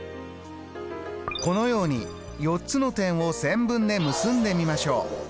このように４つの点を線分で結んでみましょう。